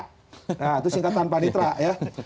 nah itu singkatan panitra ya